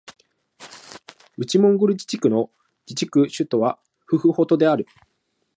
内モンゴル自治区の自治区首府はフフホトである